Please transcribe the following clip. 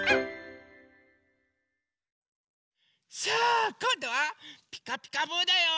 さあこんどは「ピカピカブ！」だよ。